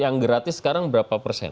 yang gratis sekarang berapa persen